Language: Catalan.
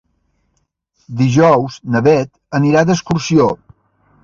Dijous na Beth anirà d'excursió.